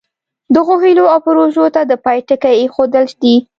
دغو هیلو او پروژو ته د پای ټکی ایښودل دي.